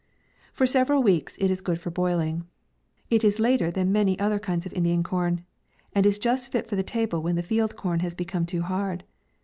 For several weeks it is good for boiling. It is later than many other kinds of Indian com, and is just fit for the table when the field corn has become too hard.